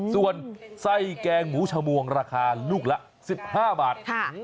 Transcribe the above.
ส่วนไส้แกงหมูชมวงราคาลูกละ๑๕บาท